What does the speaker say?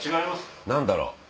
何だろう？